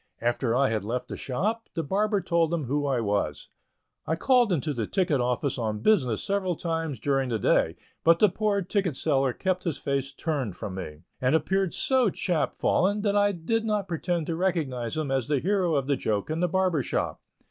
After I had left the shop, the barber told him who I was. I called into the ticket office on business several times during the day, but the poor ticket seller kept his face turned from me, and appeared so chap fallen that I did not pretend to recognize him as the hero of the joke in the barber's shop.